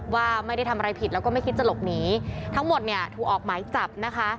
ว่าไม่ได้ทำอะไรผิดแล้วก็ไม่คิดจะหลบหนีทั้งหมดเนี่ยถูกออกหมายจับนะคะ